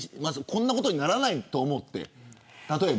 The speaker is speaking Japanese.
こんなことにならないと思って。